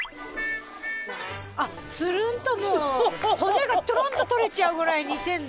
あツルンともう骨がトゥルンと取れちゃうぐらい煮てんだ。